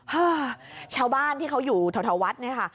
ห้าชาวบ้านที่เขาอยู่แถววัดเนี่ยค่ะ